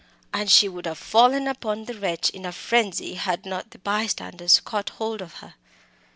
and she would have fallen upon the wretch, in a frenzy, had not the bystanders caught hold of her.